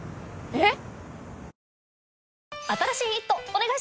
えっ！？